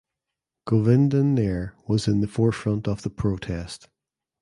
Govindan Nair was in the forefront of the protest.